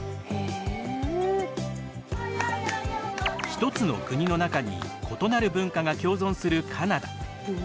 一つの国の中に異なる文化が共存するカナダ。